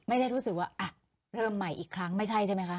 ไม่ได้รู้สึกว่าอ่ะเริ่มใหม่อีกครั้งไม่ใช่ใช่ไหมคะ